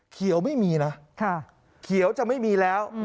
เขียวไม่มีนะเขียวจะไม่มีแล้ว